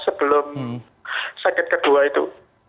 sebelum sakit kedua itu